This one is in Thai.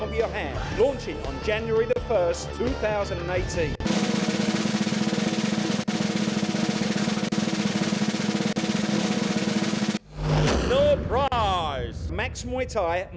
แอปแรกสูงจุดเมื่อสาย